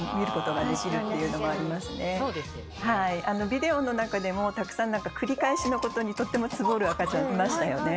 ビデオの中でもたくさん繰り返しのことにとってもツボる赤ちゃんいましたよね。